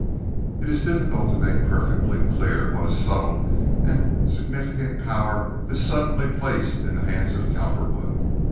It is difficult to make perfectly clear what a subtle and significant power this suddenly placed in the hands of Cowperwood.